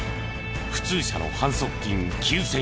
普通車の反則金９０００円。